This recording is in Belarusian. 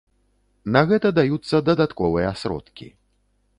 На гэта даюцца дадатковыя сродкі.